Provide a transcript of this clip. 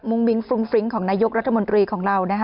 มุงมิ้งฟรุงฟริ้งของนายกรัฐมนตรีของเรา